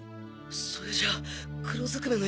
それじゃ黒ずくめの奴らに？